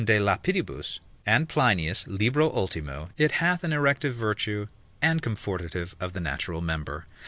de lapidibus, and Plinius, libro ultimo, it hath an erective virtue and comfortative of the natural member.